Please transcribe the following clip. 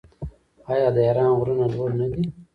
آیا د ایران غرونه لوړ نه دي؟